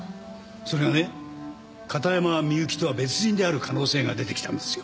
それがね片山みゆきとは別人である可能性が出てきたんですよ。